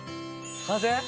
完成？